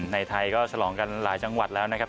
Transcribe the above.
ไทยก็ฉลองกันหลายจังหวัดแล้วนะครับ